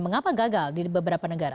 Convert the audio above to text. mengapa gagal di beberapa negara